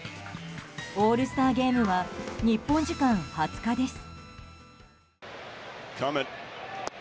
オールスターゲームは日本時間２０日です。